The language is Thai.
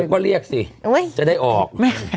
ก็เรียกสิจะได้ออก